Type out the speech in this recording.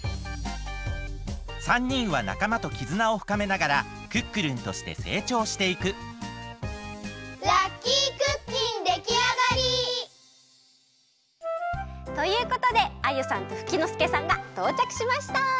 ３にんはなかまときずなをふかめながらクックルンとしてせいちょうしていくラッキークッキンできあがり！ということでアユさんとフキノスケさんがとうちゃくしました！